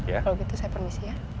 kalau gitu saya permisi ya